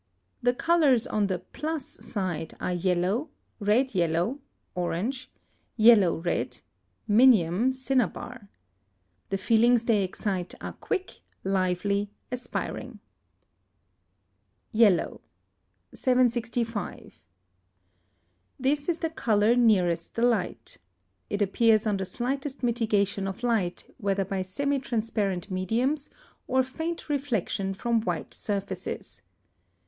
The colours on the plus side are yellow, red yellow (orange), yellow red (minium, cinnabar). The feelings they excite are quick, lively, aspiring. YELLOW. 765. This is the colour nearest the light. It appears on the slightest mitigation of light, whether by semi transparent mediums or faint reflection from white surfaces.